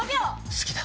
好きだ！